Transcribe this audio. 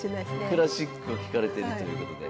クラシックを聴かれてるということで。